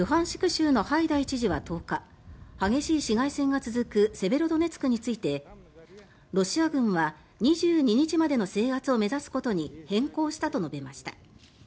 州のハイダイ知事は１０日激しい市街戦が続くセベロドネツクについてロシア軍は２２日までの制圧を目指すことに変更したと述べました。